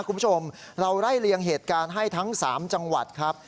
คุณผู้ชมเราไล่เลียงเหตุการณ์ให้ทั้ง๓จังหวัดครับ